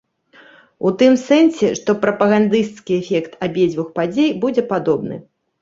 У тым сэнсе, што прапагандысцкі эфект абедзвюх падзей будзе падобны.